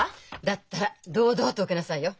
だったら堂々と受けなさいよ。